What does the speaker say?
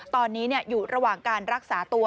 ตอนนี้อยู่ระหว่างการรักษาตัว